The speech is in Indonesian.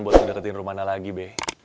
buat ngedeketin romana lagi be